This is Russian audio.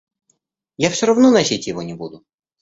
Я все равно носить его не буду.